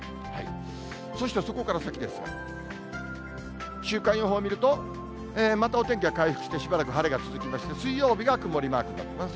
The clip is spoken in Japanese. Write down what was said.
そしてそこから先ですが、週間予報見ると、またお天気が回復して、しばらく晴れが続きまして、水曜日が曇りマークになってます。